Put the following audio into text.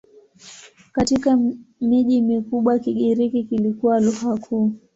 Katika miji mikubwa Kigiriki kilikuwa lugha kuu.